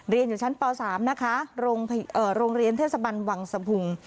เรียนอยู่ชั้นป๓โรงเรียนเทศบรรย์วังสะพุง